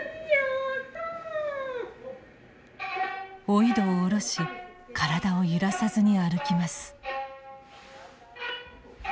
おいどを下ろし体を揺らさずに歩きます。